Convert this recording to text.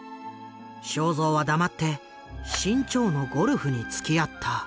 正蔵は黙って志ん朝のゴルフにつきあった。